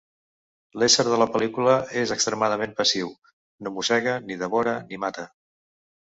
L'ésser de la pel·lícula és extremadament passiu: no mossega, ni devora, ni mata.